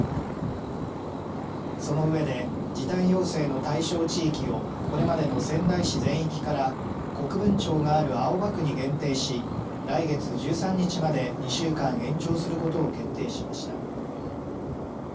その上で時短要請の対象地域をこれまでの仙台市全域から国分町がある青葉区に限定し来月１３日まで２週間延長することを決定しました。